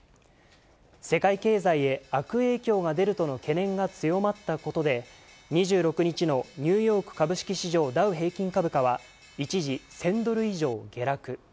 世界経済へ悪影響が出るとの懸念が強まったことで、２６日のニューヨーク株式市場、ダウ平均株価は、一時１０００ドル以上下落。